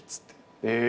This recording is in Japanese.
え！